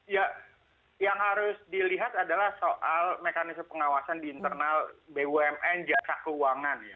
ya yang harus dilihat adalah soal mekanisme pengawasan di internal bumn jasa keuangan ya